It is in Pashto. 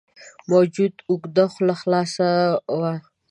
موجود اوږده خوله خلاصه وه.